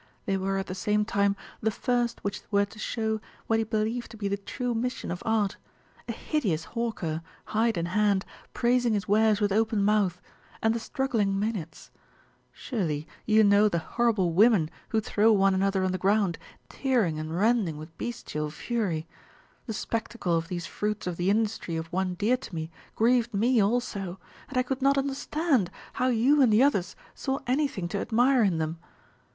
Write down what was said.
They were at the same time the first which were to show what he believed to be the true mission of art a hideous hawker, hide in hand, praising his wares with open mouth, and the struggling Maenads. Surely you know the horrible women who throw one another on the ground, tearing and rending with bestial fury. The spectacle of these fruits of the industry of one dear to me grieved me also, and I could not understand how you and the others saw anything to admire in them.